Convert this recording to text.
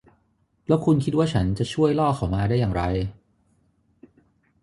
แล้วคุณคิดว่าฉันจะช่วยล่อเขามาได้อย่างไร ?